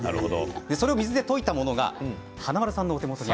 それを水で溶いたものが華丸さんのお手元に。